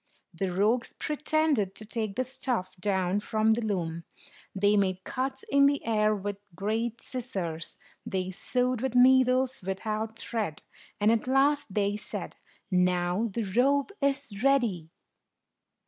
The rogues pretended to take the stuff down from the loom ; they made cuts in the air with great scissors; they sewed with needles without thread; and, at last, they said, "Now the robe is ready."